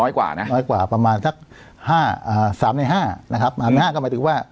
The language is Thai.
กว่านะน้อยกว่าประมาณสักห้าสามในห้านะครับสามในห้าก็หมายถึงว่า